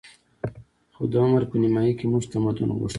خو د عمر په نیمايي کې موږ تمدن غوښت